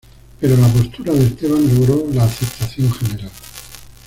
Pero la postura de Esteban logró la aceptación general.